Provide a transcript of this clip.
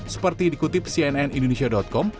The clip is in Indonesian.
seperti dikutip cnnindonesia com